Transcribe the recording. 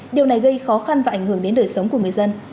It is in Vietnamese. điều này gây khó khăn và ảnh hưởng đến đời sống của người dân